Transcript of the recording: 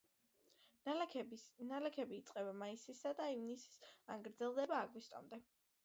ნალექები იწყება მაისში ან ივნისში და გრძელდება აგვისტომდე.